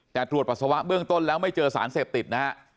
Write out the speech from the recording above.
แต่ตรวจปัสสาวะเบื้องต้นแล้วไม่เจอสารเสพติดนะฮะ